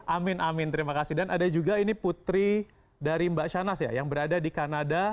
amin amin terima kasih dan ada juga ini putri dari mbak shanas ya yang berada di kanada